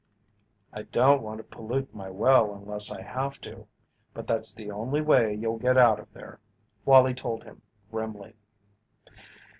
"I don't want to pollute my well unless I have to, but that's the only way you'll get out of there," Wallie told him, grimly.